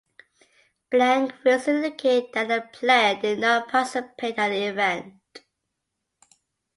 Blank fields indicate that the player did not participate at the event.